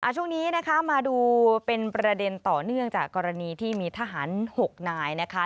ช่วงนี้นะคะมาดูเป็นประเด็นต่อเนื่องจากกรณีที่มีทหาร๖นายนะคะ